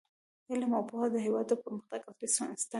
علم او پوهه د هیواد د پرمختګ اصلي ستنې دي.